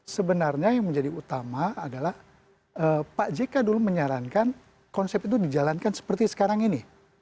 sebenarnya yang menjadi utama adalah pak jk dulu menyarankan konsep itu dijalankan seperti sekarang ini